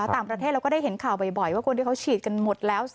ต่างประเทศเราก็ได้เห็นข่าวบ่อยว่าคนที่เขาฉีดกันหมดแล้ว